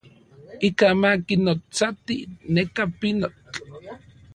Ikaj ma kinotsati neka pinotl.